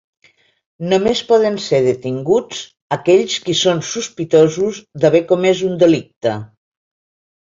Només poden ser detinguts aquells qui són sospitosos d’haver comès un delicte.